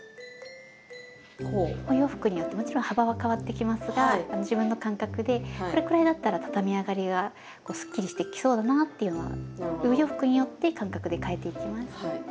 お洋服によってもちろん幅は変わってきますが自分の感覚でこれくらいだったらたたみ上がりがすっきりしてきそうだなっていうのはお洋服によって感覚で変えていきます。